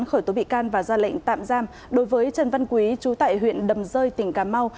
khởi tố bị can và ra lệnh tạm giam đối với trần văn quý chú tại huyện đầm rơi tỉnh cà mau